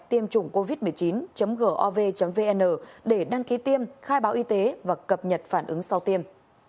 tiêm chủng covid một mươi chín gov vn để đăng ký tiêm khai báo y tế và cập nhật phản ứng sau tiêm